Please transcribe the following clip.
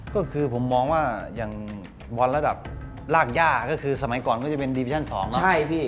ก็คือผมมองว่าอย่างบอลระดับรากย่าก็คือสมัยก่อนก็จะเป็นดิวิชั่น๒แล้ว